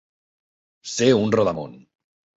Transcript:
Ser un rodamón.